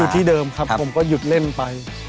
ที่เดิมครับผมก็หยุดเล่นไป